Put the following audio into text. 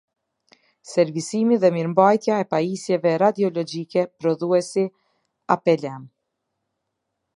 Servisimi dhe mirëmbajtja e paisjeve radiologjike prodhuesi apelem